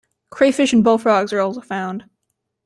Crayfish and bullfrogs are also found.